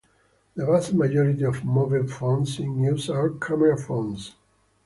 The vast majority of mobile phones in use are camera phones.